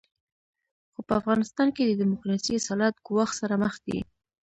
خو په افغانستان کې د ډیموکراسۍ اصالت ګواښ سره مخ دی.